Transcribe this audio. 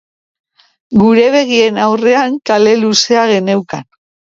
Gure begien aurrean kale luzea geneukan.